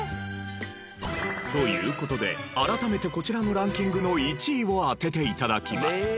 という事で改めてこちらのランキングの１位を当てて頂きます。